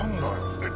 えっ